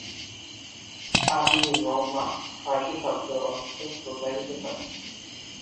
আব-ই-রওয়ান ফার্সি শব্দ, অর্থ "প্রবাহিত পানি"।